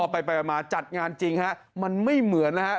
พอไปมาจัดงานจริงครับมันไม่เหมือนนะครับ